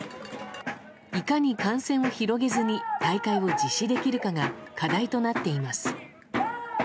いかに感染を広げずに大会を実施できるかが課題となっています。